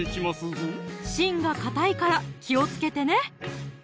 ぞ芯がかたいから気をつけてね